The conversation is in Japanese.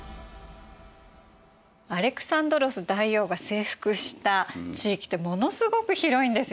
アレクサンドロス大王が征服した地域ってものすごく広いんですよね。